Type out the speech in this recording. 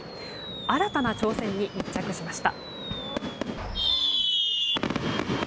新たな挑戦に密着しました。